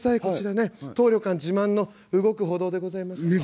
こちらね当旅館自慢の動く歩道でございます」。